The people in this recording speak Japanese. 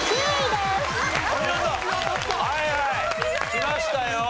きましたよ。